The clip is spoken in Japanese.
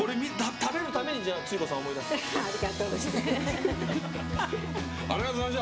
食べるたびにツユ子さんを思い出します。